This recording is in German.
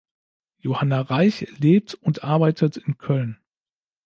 Johanna Reich lebt und arbeitet in Köln.